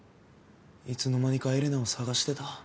いつの間にかエレナを探してた。